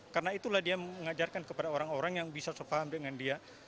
karena itulah dia mengajarkan kepada orang orang yang bisa sepaham dengan dia